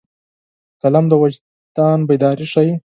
قلم د وجدان بیداري ښيي